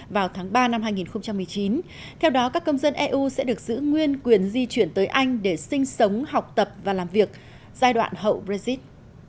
vào tháng ba năm hai nghìn một mươi chín theo đó các công dân eu sẽ được giữ nguyên quyền di chuyển tới anh để sinh sống học tập và làm việc giai đoạn hậu brexit